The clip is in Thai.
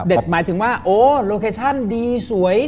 เด็ดหมายถึงว่าโลเคชันดีสวย